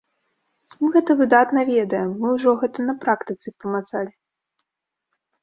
Мы гэта выдатна ведаем, мы ўжо гэта на практыцы памацалі.